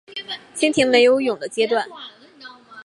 蜻蜓没有蛹的阶段。